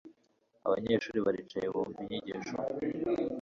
abanyeshuri baricaye, bumva inyigisho